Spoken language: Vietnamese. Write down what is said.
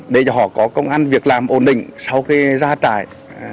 để cho họ có công an việc làm ổn định sau khi ra trại